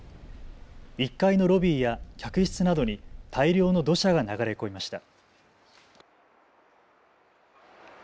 １階のロビーや客室などに大量の土砂が流れ込みました。